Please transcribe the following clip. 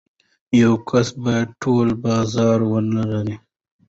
یو کس باید ټول بازار ونلري.